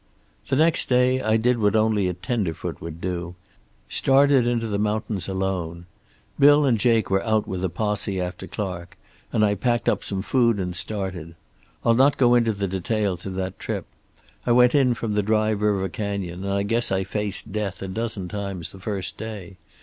"The next day I did what only a tenderfoot would do, started into the mountains alone. Bill and Jake were out with a posse after Clark, and I packed up some food and started. I'll not go into the details of that trip. I went in from the Dry River Canyon, and I guess I faced death a dozen times the first day.